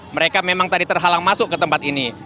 mereka memang tadi terhalang masuk ke tempat ini